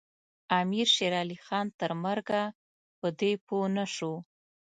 امیر شېرعلي خان تر مرګه په دې پوه نه شو.